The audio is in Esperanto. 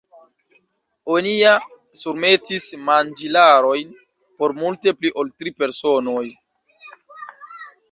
"Oni ja surmetis manĝilarojn por multe pli ol tri personoj."